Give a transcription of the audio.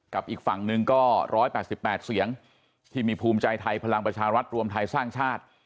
อีกฝั่งหนึ่งก็๑๘๘เสียงที่มีภูมิใจไทยพลังประชารัฐรวมไทยสร้างชาติ